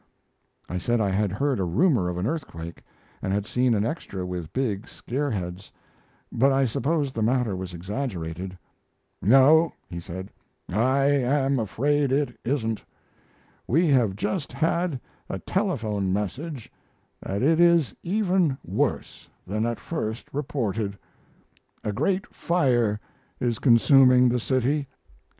I said I had heard a rumor of an earthquake; and had seen an extra with big scare heads; but I supposed the matter was exaggerated. "No," he said, "I am afraid it isn't. We have just had a telephone message that it is even worse than at first reported. A great fire is consuming the city.